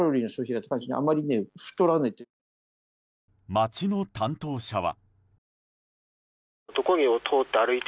町の担当者は。